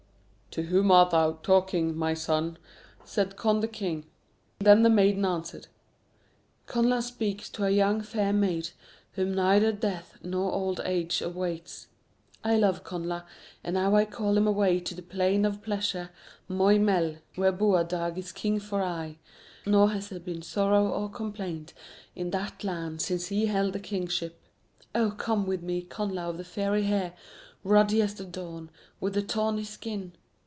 "To whom art thou talking, my son?" said Conn the king. Then the maiden answered, "Connla speaks to a young, fair maid, whom neither death nor old age awaits. I love Connla, and now I call him away to the Plain of Pleasure, Moy Mell, where Boadag is king for aye, nor has there been sorrow or complaint in that land since he held the kingship. Oh, come with me, Connla of the Fiery Hair, ruddy as the dawn, with thy tawny skin.